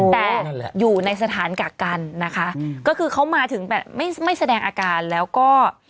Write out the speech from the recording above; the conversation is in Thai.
แต่อยู่ในสถานกักกันนะคะก็คือเขามาถึงแบบไม่ไม่แสดงอาการแล้วก็